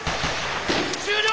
終了！